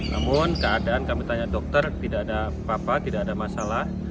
namun keadaan kami tanya dokter tidak ada apa apa tidak ada masalah